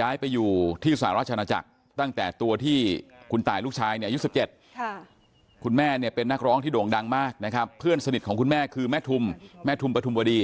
ย้ายไปอยู่ที่สหราชนาจักรตั้งแต่ตัวที่คุณตายลูกชายเนี่ยอายุ๑๗คุณแม่เนี่ยเป็นนักร้องที่โด่งดังมากนะครับเพื่อนสนิทของคุณแม่คือแม่ทุมแม่ทุมปฐุมวดี